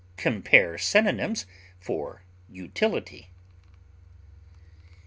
Compare synonyms for UTILITY.